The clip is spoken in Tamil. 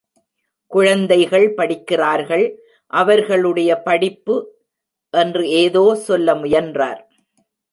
குழந்தைகள் படிக்கிறார்கள் அவர்களுடைய படிப்பு... என்று ஏதோ சொல்ல முயன்றார்.